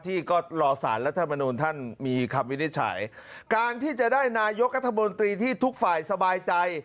ที่ก็รอสารรัฐมนุนท่านมีคำวินิจฉัยการที่จะได้นายกรัฐมนตรีที่ทุกฝ่ายสบายใจ